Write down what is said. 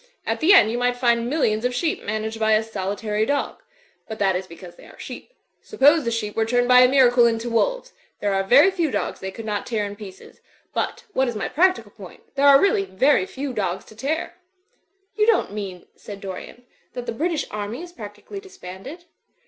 At the end you might find millions of sheep managed by a solitary dog. But that is because they are sheep. Suppose the sheep were turned by a miracle into wolves. There are very few dogs they could not tear in pieces. But, what is my practical point, there arc really very few dogs to tear." "You don't mean," said Dorian, '*that the British Army is practically disbanded?"